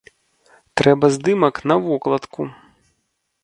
Трэба здымак на вокладку!